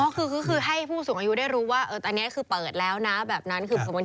คือให้ผู้สูงอายุได้รู้ว่าอันนี้คือเปิดแล้วนะแบบนั้นคือสมมุติ